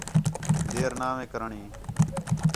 دیر ناوے کرݨی